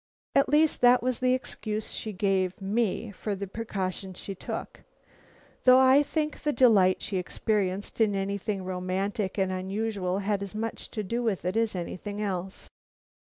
At least that was the excuse she gave me for the precautions she took, though I think the delight she experienced in anything romantic and unusual had as much to do with it as anything else.